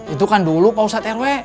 itu kan dulu pak ustadz rw